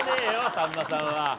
さんまさんは。